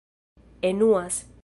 enuas